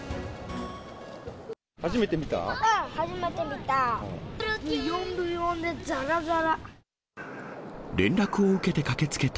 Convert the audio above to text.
初めて見た？